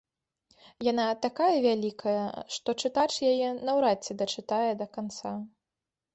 Яна такая вялікая, што чытач яе наўрад ці дачытае да канца.